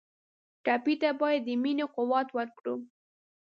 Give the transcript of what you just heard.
ټپي ته باید د مینې قوت ورکړو.